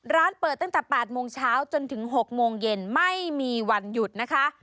ร้านเปิดตั้งแต่๘โมงเช้าจนถึง๖โมงเย็นไม่มีวันหยุดนะคะ